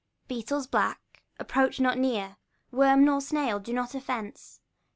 Beetles black, approach not near ; Worm nor snail, do no offence.